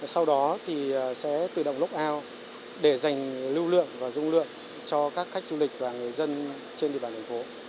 sau đó thì sẽ tự động lốp ao để dành lưu lượng và dung lượng cho các khách du lịch và người dân trên địa bàn thành phố